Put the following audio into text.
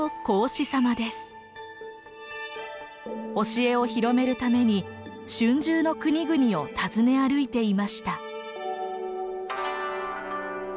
教えを広めるために春秋の国々を訪ね歩いていました。